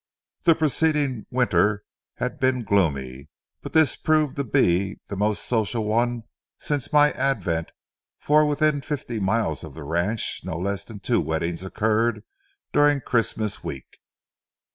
The preceding winter had been gloomy, but this proved to be the most social one since my advent, for within fifty miles of the ranch no less than two weddings occurred during Christmas week.